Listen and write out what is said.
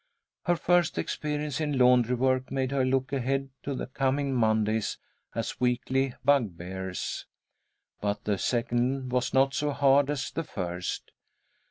Her first experience in laundry work made her look ahead to the coming Mondays as weekly bugbears. But the second was not so hard as the first.